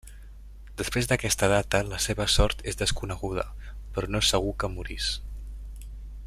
Després d'aquesta data la seva sort és desconeguda, però no és segur que morís.